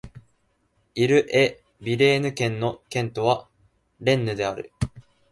イル＝エ＝ヴィレーヌ県の県都はレンヌである